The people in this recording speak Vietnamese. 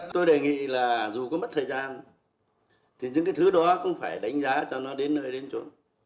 tôi đề nghị là dù có mất thời gian thì những cái thứ đó cũng phải đánh giá cho nó đến nơi đến chỗ